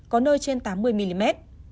có nơi trên tám mươi mm